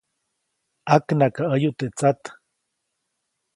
ʼAknakaʼäyu teʼ tsat.